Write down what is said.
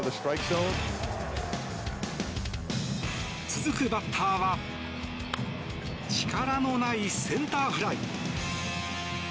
続くバッターは力のないセンターフライ。